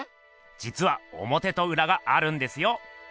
じつはおもてとうらがあるんですよ。